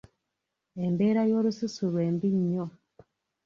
Embeera y'olususu lwe mbi nnyo.